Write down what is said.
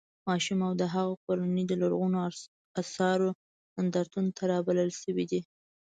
ماشوم او د هغه کورنۍ د لرغونو اثارو نندارتون ته رابلل شوي دي.